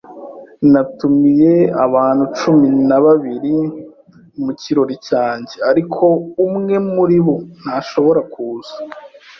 Natumiye abantu cumi na babiri mu kirori cyanjye, ariko umwe muri bo ntashobora kuza.